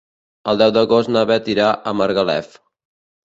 El deu d'agost na Beth irà a Margalef.